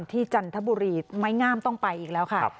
จันทบุรีไม้งามต้องไปอีกแล้วค่ะ